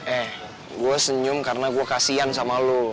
eh gue senyum karena gue kasian sama lo